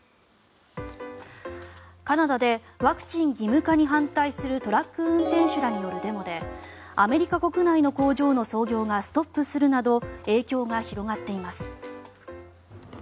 カナダでワクチン義務化に反対するトラック運転手らによるデモでアメリカ国内の工場の操業がストップするなど影響が広がっています。